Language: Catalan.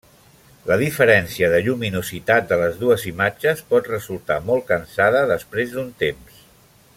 La diferència de lluminositat de les dues imatges pot resultar molt cansada després d'un temps.